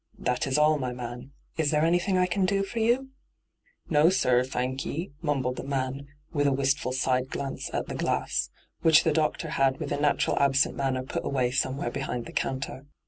That is all, my man. Is there anything I can do for you V ' No, sir, thankye,' mumbled the man, with a wistful side glanoe at the glass, which the doctor had with a natural absent manner put away somewhere behind the counter.